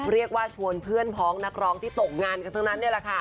เรียกว่าชวนเพื่อนพ้องนักร้องที่ตกงานกันทั้งนั้นนี่แหละค่ะ